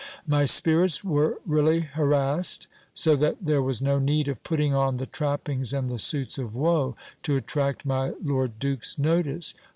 My spirits were really harassed ; so that there was no need of putting on the trappings and the suits of woe, to attract my lord duke's notice.